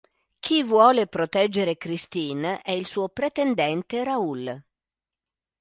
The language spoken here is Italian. Chi vuole proteggere Christine è il suo pretendente Raoul.